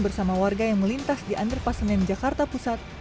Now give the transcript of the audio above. bersama warga yang melintas di antre pasenan jakarta pusat